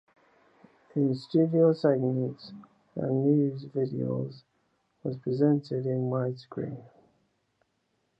In-studio segments and news video was presented in widescreen.